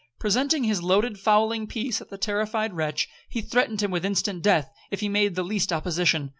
Presenting his loaded fowling piece at the terrified wretch, he threatened him with instant death, if he made the least opposition.